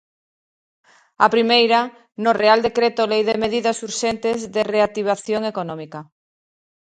A primeira, no Real decreto lei de medidas urxentes de reactivación económica.